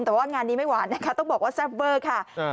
แต่ว่างานนี้ไม่หวานนะคะต้องบอกว่าแซ่บเวอร์ค่ะ